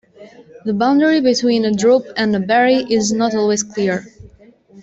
The boundary between a drupe and a berry is not always clear.